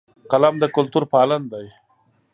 قلم د کلتور پالن دی